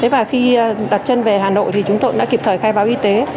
và khi đặt chân về hà nội thì chúng tôi cũng đã kịp thời khai báo y tế